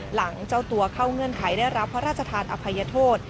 หลังเจ้าตัวเข้าเงื่อนไขได้รับพระราชทานอภัยโทษ